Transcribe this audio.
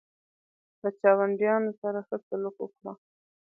له چاونډیانو سره ښه سلوک وکړه.